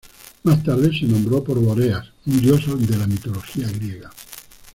Más tarde se nombró por Bóreas, un dios de la mitología griega.